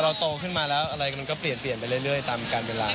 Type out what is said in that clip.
พอเราโตขึ้นมากสักครั้งเราก็เปลี่ยนไปเรื่อยตามการเวลา